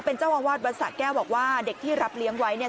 เป็นเจ้าอาวาสวัดสะแก้วบอกว่าเด็กที่รับเลี้ยงไว้เนี่ย